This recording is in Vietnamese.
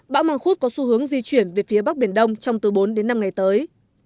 bão mang khúc có xu hướng di chuyển về phía bắc biển đông trong từ bốn đến năm ngày tới